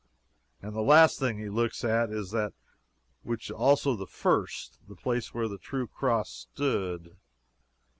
And the last thing he looks at is that which was also the first the place where the true Cross stood.